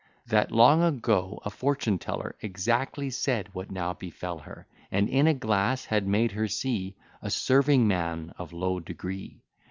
"That long ago a fortune teller Exactly said what now befell her; And in a glass had made her see A serving man of low degree.